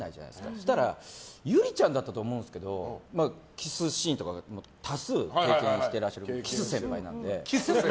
そうしたらゆりちゃんだったと思うんですけどキスシーンとか多数経験していらっしゃるキス先輩なので。